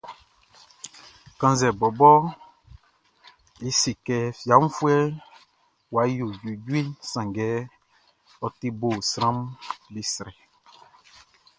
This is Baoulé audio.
Kannzɛ bɔbɔ e se kɛ fiafuɛʼn wʼa yo juejueʼn, sanngɛ ɔ te bo sranʼm be srɛ.